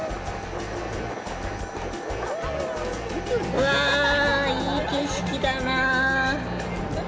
うわあ、いい景色だなあ。